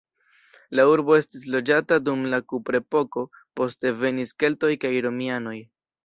La urbo estis loĝata dum la kuprepoko, poste venis keltoj kaj romianoj.